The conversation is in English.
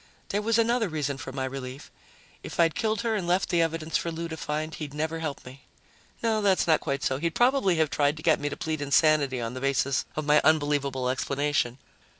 There was another reason for my relief if I'd killed her and left the evidence for Lou to find, he'd never help me. No, that's not quite so; he'd probably have tried to get me to plead insanity on the basis of my unbelievable explanation.